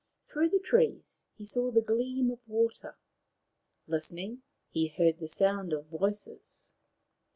Through the trees he saw the gleam of water. Listening, he heard the sound of voices.